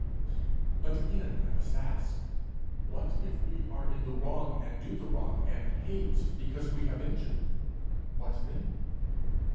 But again I must ask, What if we are in the wrong and do the wrong, and hate because we have injured? What then?